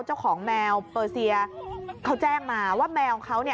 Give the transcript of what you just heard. เจ้าของแมวเปอร์เซียเขาแจ้งมาว่าแมวเขาเนี่ย